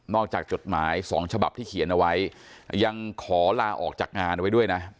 จากจดหมาย๒ฉบับที่เขียนเอาไว้ยังขอลาออกจากงานไว้ด้วยนะ